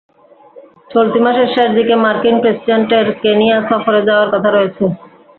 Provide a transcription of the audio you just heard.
চলতি মাসের শেষ দিকে মার্কিন প্রেসিডেন্টের কেনিয়া সফরে যাওয়ার কথা রয়েছে।